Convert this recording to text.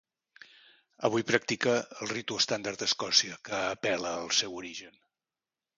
Avui practica el Ritu Estàndard d'Escòcia que apel·la al seu origen.